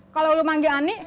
kalau lu manggil ani